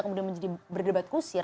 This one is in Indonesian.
kemudian menjadi berdebat kusir